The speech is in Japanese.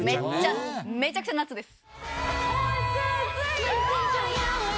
めちゃくちゃ夏です。